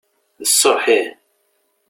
D sseḥ ih.